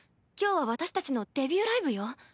今日は私たちのデビューライブよ。